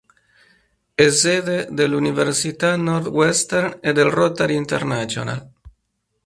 È sede dell'Università Northwestern e del Rotary International.